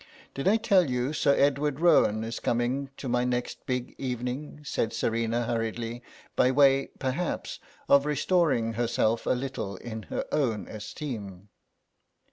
"Did I tell you Sir Edward Roan is coming to my next big evening," said Serena, hurriedly, by way, perhaps, of restoring herself a little in her own esteem.